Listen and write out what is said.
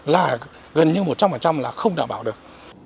là gần như một trăm linh là không đảm bảo được